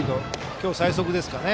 今日最速ですかね。